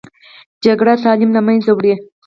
جګړه تعلیم له منځه وړي